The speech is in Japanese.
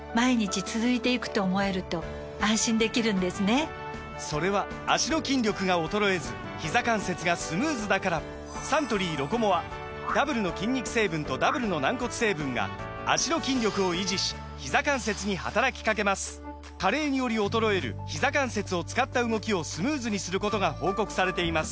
サントリー「ロコモア」・それは脚の筋力が衰えずひざ関節がスムーズだからサントリー「ロコモア」ダブルの筋肉成分とダブルの軟骨成分が脚の筋力を維持しひざ関節に働きかけます加齢により衰えるひざ関節を使った動きをスムーズにすることが報告されています